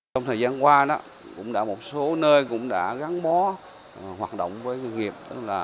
trong thời gian qua một số nơi cũng đã gắn bó hoạt động với doanh nghiệp